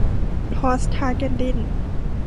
พรอสทาแกลนดิน